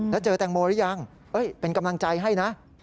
แล้วเจอแตงโมหรือยังเป็นกำลังใจให้นะ